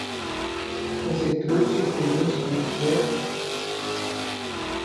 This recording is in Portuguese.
Você trouxe o presente do José?